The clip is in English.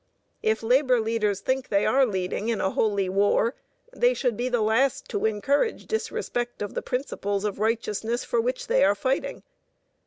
If labor leaders think they are leading in a holy war, they should be the last to encourage disrespect of the principles of righteousness for which they are fighting.